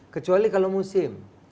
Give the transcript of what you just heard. kecuali kalau musim